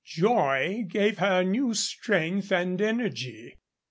Joy gave her new strength and energy.